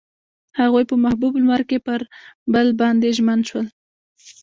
هغوی په محبوب لمر کې پر بل باندې ژمن شول.